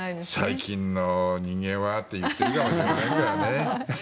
最近の人間はって言ってるかもしれませんね。